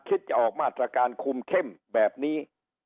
จะออกมาตรการคุมเข้มแบบนี้